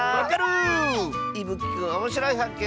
いぶきくんおもしろいはっけん